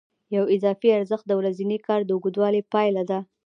یو اضافي ارزښت د ورځني کار د اوږدوالي پایله ده